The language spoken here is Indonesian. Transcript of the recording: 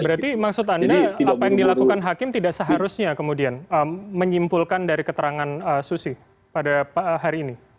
berarti maksud anda apa yang dilakukan hakim tidak seharusnya kemudian menyimpulkan dari keterangan susi pada hari ini